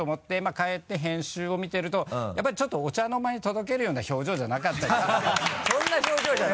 帰って編集を見てるとやっぱりちょっとお茶の間に届けるような表情じゃなかったりするんですよ。